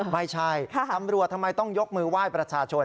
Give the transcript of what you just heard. ไม่ใช่ตำรวจทำไมต้องยกมือไหว้ประชาชน